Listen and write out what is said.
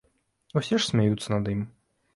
Усе ж смяюцца над ім.